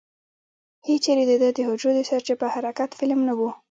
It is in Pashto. هېچېرې دده د حجرو د سرچپه حرکت فلم نه و.